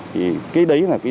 thì cái đấy là